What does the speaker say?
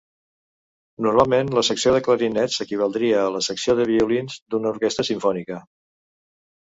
Normalment la secció de clarinets equivaldria a la secció de violins d'una orquestra simfònica.